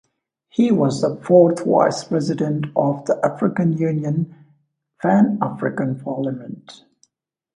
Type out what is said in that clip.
He was the Fourth Vice-President of the African Union's Pan-African Parliament.